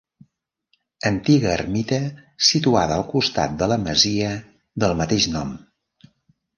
Antiga ermita situada al costat de la masia del mateix nom.